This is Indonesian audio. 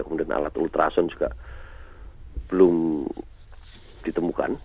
kemudian alat ultrasen juga belum ditemukan